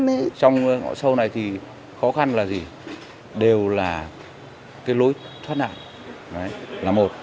ở trong ngõ sâu này thì khó khăn là gì đều là cái lối thoát nạn là một